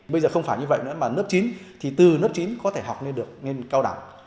bây giờ không phải như vậy nữa mà lớp chín thì từ lớp chín có thể học lên được lên cao đẳng